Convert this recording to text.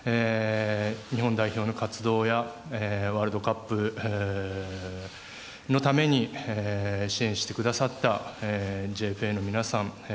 日本代表の活動やワールドカップのために支援してくださったＪＦＡの皆さん